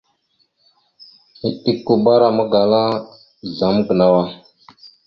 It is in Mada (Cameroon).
Eɗʉkabara magala azlam a gənow a.